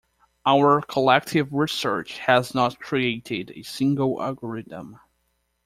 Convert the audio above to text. Our collective research has not created a single algorithm.